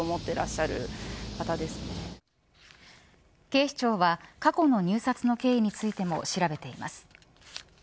警視庁は過去の入札の経緯についても調べています。